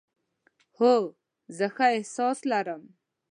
هو، زه ښه احساس لرم